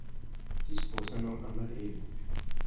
Si sposano a Madrid.